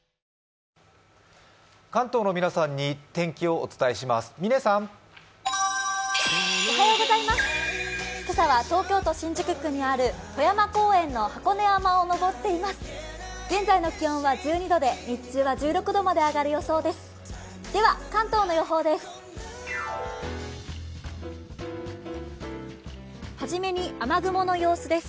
現在の気温は１２度で日中は１６度まで上がる予想です。